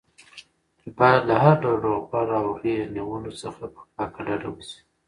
باید له هر ډول روغبړ او غېږ نیولو څخه په کلکه ډډه وشي.